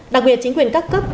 đặc biệt chính quyền các cấp